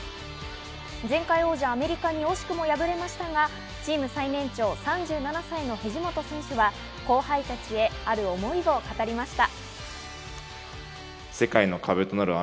前回王者アメリカに惜しくも敗れましたが、チーム最年長３７歳の藤本選手は後輩たちへある想いを語りました。